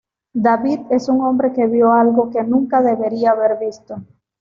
David es un hombre que vio algo que nunca debería haber visto.